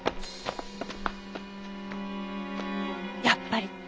やっぱり。